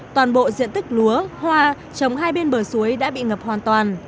toàn bộ diện tích lúa hoa trồng hai bên bờ suối đã bị ngập hoàn toàn